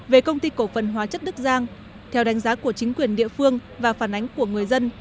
về công ty cổ phần hóa chất đức giang theo đánh giá của chính quyền địa phương và phản ánh của người dân